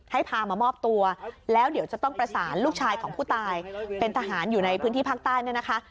ให้พามามอบตัวแล้วเดี๋ยวจะต้องประสานลูกชายของผู้ตายเป็นทหารอยู่ในพื้นที่ภาคใต้เนี่ยนะคะ